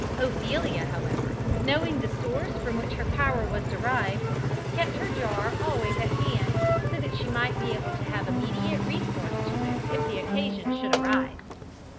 Ophelia, however, knowing the source from which her power was derived, kept her jar always at hand, so that she might be able to have immediate recourse to it if the occasion should arise.